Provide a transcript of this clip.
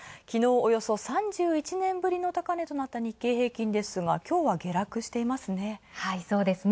およそ３１年ぶりの高値となった日経平均ですが今日は下落していますね。